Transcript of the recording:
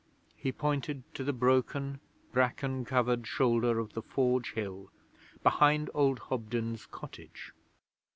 He pointed to the broken, bracken covered shoulder of the Forge Hill behind old Hobden's cottage.